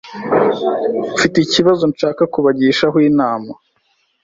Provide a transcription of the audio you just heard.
mfite ikibazo nshaka kubagishaho inama